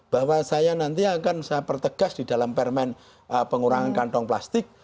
bahwa saya nanti akan saya pertegas di dalam permen pengurangan kantong plastik